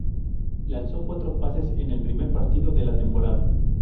Lanzó cuatro pases en el primer partido de la temporada.